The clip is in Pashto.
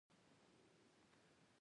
خلاصه مونيه او شروط الصلاة وويل.